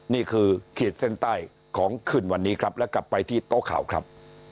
ขีดเส้นใต้ของขึ้นวันนี้ครับและกลับไปที่โต๊ะข่าวครับ